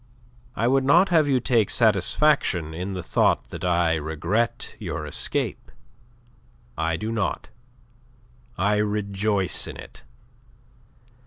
I would not have you take satisfaction in the thought that I regret your escape. I do not. I rejoice in it.